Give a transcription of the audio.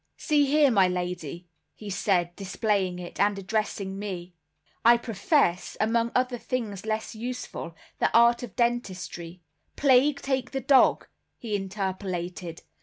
"See here, my lady," he said, displaying it, and addressing me, "I profess, among other things less useful, the art of dentistry. Plague take the dog!" he interpolated.